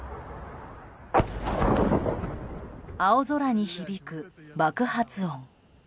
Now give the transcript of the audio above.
青空に響く爆発音。